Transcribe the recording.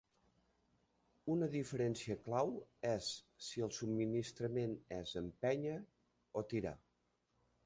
Una diferència clau és si el subministrament és "empènyer" o "tirar".